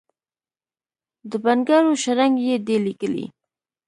د بنګړو شرنګ یې دی لېکلی،